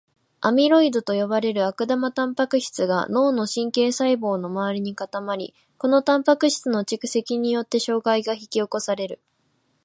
アミロイドと呼ばれる悪玉タンパク質が脳の神経細胞の周りに固まり、このタンパク質の蓄積によって障害が引き起こされる。